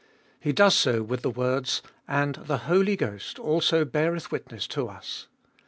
He does so with the words, And the Holy Ghost also beareth witness to US.